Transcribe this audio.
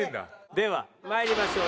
では参りましょう。